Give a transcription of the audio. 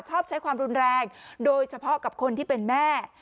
ชอบใช้ความรุนแรงโดยเฉพาะกับคนที่เป็นแม่